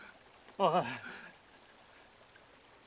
ああ！